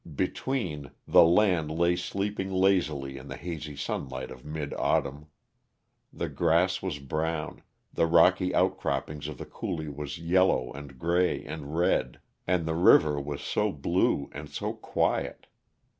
Between, the land lay sleeping lazily in the hazy sunlight of mid autumn. The grass was brown, the rocky outcroppings of the coulee wall yellow and gray and red and the river was so blue, and so quiet!